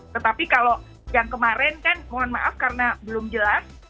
tetapi kalau yang kemarin kan mohon maaf karena belum jelas